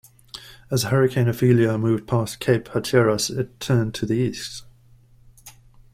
As Hurricane Ophelia moved past Cape Hatteras it turned to the east.